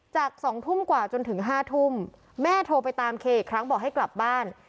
๒ทุ่มกว่าจนถึง๕ทุ่มแม่โทรไปตามเคอีกครั้งบอกให้กลับบ้าน